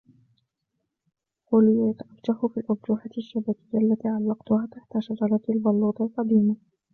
خوليو يتأرجح في الأرجوحة الشبكية التي علقتها تحت شجرة البلوط القديمة.